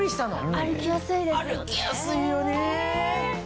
歩きやすいよね。